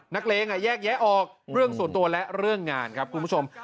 นักเลงแยกแยะออกเรื่องส่วนตัวและเรื่องงานครับคุณผู้ชม